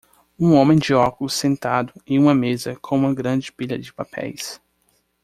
Um homem de óculos sentado em uma mesa com uma grande pilha de papéis.